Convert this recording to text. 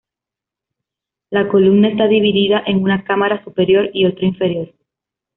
La columna está dividida en una cámara superior y otra inferior.